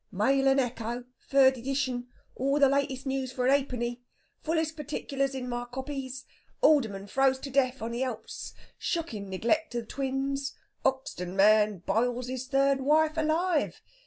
"'Mail and Echo,' third edition, all the latest news for a 'apeny. Fullest partic'lars in my copies. Alderman froze to death on the Halps. Shocking neglect of twins. 'Oxton man biles his third wife alive.